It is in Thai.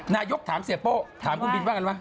นายกถามเสียโป้ถามคุณบินว่ากันไหม